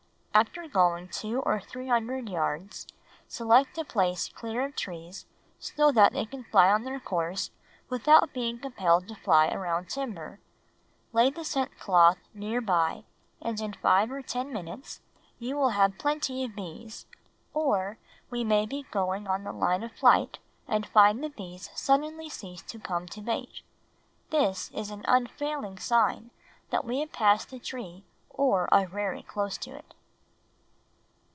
After going two or three hundred yards, select a place clear of trees so that they can fly on their course without being compelled to fly around timber, lay the scent cloth near by, and in five or ten minutes you will have plenty of bees, or, we may be going on the line of flight and find the bees suddenly cease to come to bait. This is an unfailing sign that we have passed the tree or are very close to it.